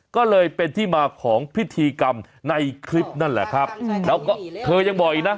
ก็เลยเป็นที่มาของพิธีกรรมในคลิปนั่นแหละครับแล้วก็เธอยังบอกอีกนะ